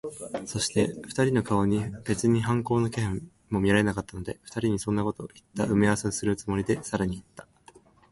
そして、二人の顔に別に反抗の気配も見られなかったので、二人にそんなことをいった埋合せをするつもりで、さらにいった。